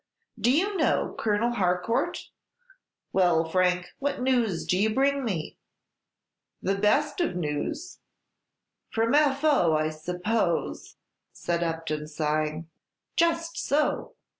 "Do you know Colonel Harcourt? Well, Frank, what news do you bring me?" "The best of news." "From F. O., I suppose," said Upton, sighing. "Just so.